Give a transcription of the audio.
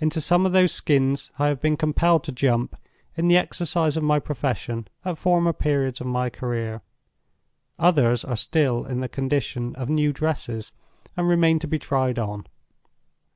Into some of those Skins I have been compelled to Jump, in the exercise of my profession, at former periods of my career. Others are still in the condition of new dresses and remain to be tried on.